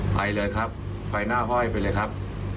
ไปเลยครับไปหน้าห้อยไปเลยครับ